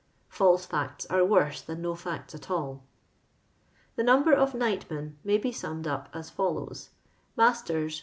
I'also farts are worse than no facts at all. Tho number of night men may be summed up as follows: — Masters